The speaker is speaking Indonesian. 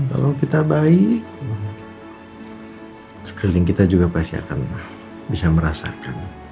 kalau kita baik sekeliling kita juga pasti akan bisa merasakan